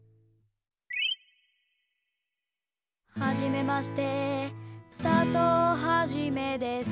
「はじめまして」「佐藤はじめです」